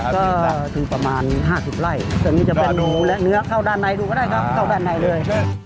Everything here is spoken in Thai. ก็คือประมาณ๕๐ไร่ส่วนนี้จะเป็นนูและเนื้อเข้าด้านในดูก็ได้ครับเข้าด้านในเลย